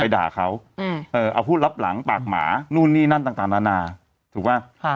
ไปด่าเขาอืมเออเอาผู้รับหลังปากหมานู่นนี่นั่นต่างต่างนานาถูกว่าค่ะ